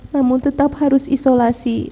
namun tetap harus isolasi